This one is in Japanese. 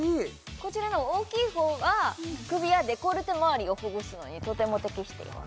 こちらの大きいほうは首やデコルテまわりをほぐすのにとても適しています